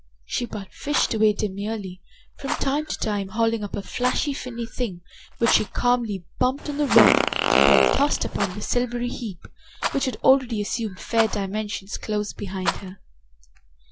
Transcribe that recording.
She but fished away demurely, from time to time hauling up a flashing finny thing, which she calmly bumped on the rock and then tossed upon the silvery heap, which had already assumed fair dimensions, close behind her.